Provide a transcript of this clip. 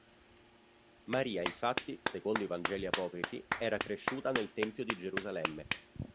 Maria infatti, secondo i vangeli apocrifi, era cresciuta nel Tempio di Gerusalemme.